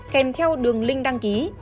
kèm theo đường link đăng ký